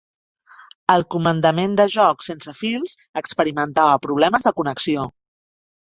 El comandament de joc sense fils experimentava problemes de connexió.